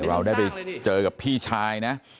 เราได้ไปเจอกับพี่ชายนะ